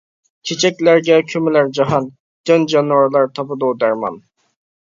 چېچەكلەرگە كۆمۈلەر جاھان، جان-جانىۋارلار تاپىدۇ دەرمان.